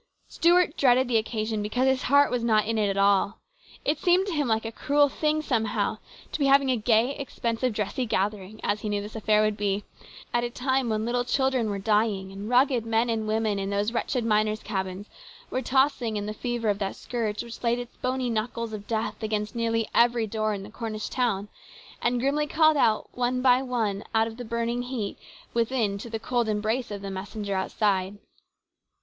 Stuart dreaded the occasion, because his heart was not in it at all. It seemed to him like a cruel thing, somehow, to be having a gay, expensive, dressy gathering, as he knew this affair would be, at a time when little children were dying, and rugged men and women in those wretched miners' cabins were tossing in the fever of that scourge which laid its bony knuckles of death against nearly every door in Cornish town, and grimly called one by one out of the burning heat within to the cold embrace of the messenger outside.